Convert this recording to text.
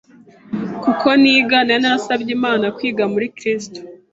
kuko niga nari narasabye Imana kwiga muri KIST.